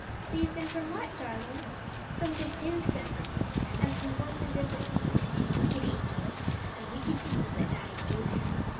"Save them from what, darling?" "From their sins, grandma, and from going to live with Satan and his wicked angels, and wicked people that die and go there."